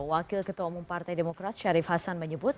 wakil ketua umum partai demokrat syarif hasan menyebut